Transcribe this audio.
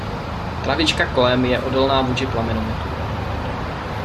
Travička kolem je odolná vůči plamenometu...